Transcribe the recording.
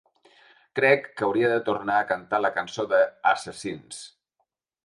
Crec que hauria de tornar a cantar la cançó de ‘assassins’.